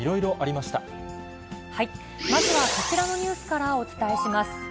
まずはこちらのニュースからお伝えします。